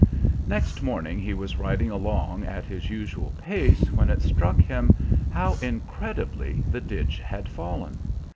Next morning he was riding along at his usual pace when it struck him how incredibly the ditch had fallen.